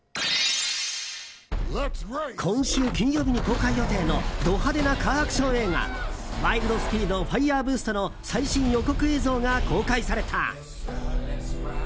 今週金曜日に公開予定のド派手なカーアクション映画「ワイルド・スピード／ファイヤーブースト」の最新予告映像が公開された。